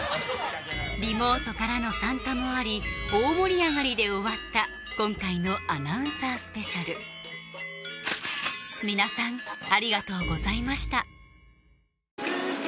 リモートからの参加もあり大盛り上がりで終わった今回のアナウンサースペシャルこんばんは。